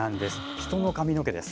人の髪の毛です。